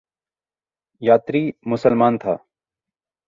Yanni मुसलमान था।